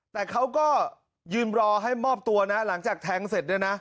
แต่เค้าก็ยืมรอให้มอบตัวนะหลังจากแทงเสร็จ